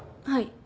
はい。